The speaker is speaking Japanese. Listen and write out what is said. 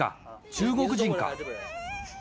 中国人か？